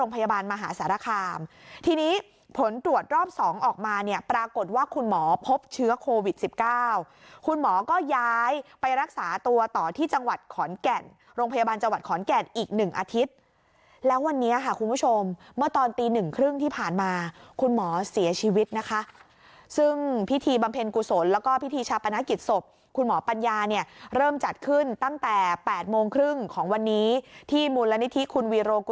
ไปรักษาตัวต่อที่จังหวัดขอนแก่นโรงพยาบาลจังหวัดขอนแก่นอีก๑อาทิตย์แล้ววันนี้ค่ะคุณผู้ชมเมื่อตอนตี๑ครึ่งที่ผ่านมาคุณหมอเสียชีวิตนะคะซึ่งพิธีบำเพ็ญกุศลแล้วก็พิธีชาปนกฤทธิ์ศพคุณหมอปัญญาเริ่มจัดขึ้นตั้งแต่๘โมงครึ่งของวันนี้ที่มูลนิธิคุณวีโรกุศ